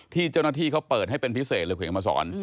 ที่เจ้าหน้าที่เขาเปิดให้เป็นพิเศษเลยคุณมาสอน